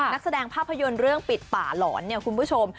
นักแสดงภาพยนตร์เรื่องปิดป่าหลอนเนี่ยคุณผู้ชม